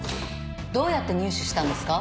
どうやって入手したんですか？